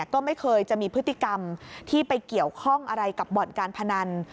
ก็ไม่เคยจะมีพฤติกรรมที่ไปเกี่ยวข้องอะไรกับบ่อนการพนัน